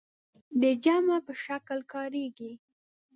د جمع په شکل کاریږي.